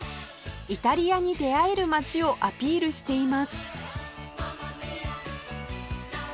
イタリアに出会える街をアピールしています